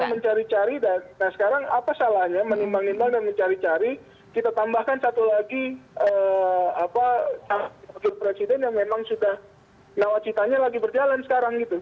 karena menimbang nimbang mencari cari dan sekarang apa salahnya menimbang nimbang dan mencari cari kita tambahkan satu lagi pak presiden yang memang sudah nawacitanya lagi berjalan sekarang gitu